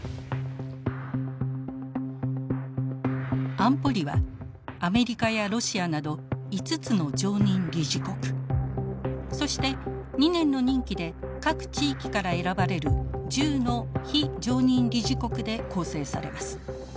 安保理はアメリカやロシアなど５つの常任理事国そして２年の任期で各地域から選ばれる１０の非常任理事国で構成されます。